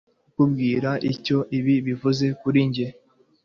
Sinshobora kukubwira icyo ibi bivuze kuri njye